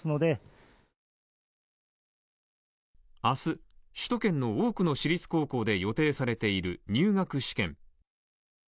明日、首都圏の多くの私立高校で予定されている入学試験。